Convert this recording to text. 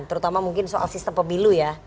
terutama mungkin soal sistem pemilu ya